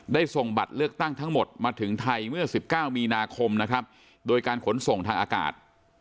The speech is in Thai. ส่งบัตรเลือกตั้งทั้งหมดมาถึงไทยเมื่อ๑๙มีนาคมนะครับโดยการขนส่งทางอากาศ